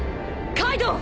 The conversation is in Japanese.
カイドウ！